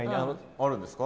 あるんですか？